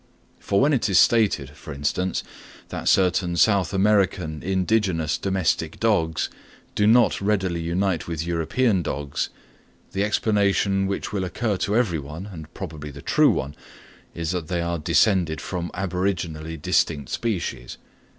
For when it is stated, for instance, that certain South American indigenous domestic dogs do not readily unite with European dogs, the explanation which will occur to everyone, and probably the true one, is that they are descended from aboriginally distinct species.